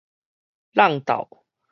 曠午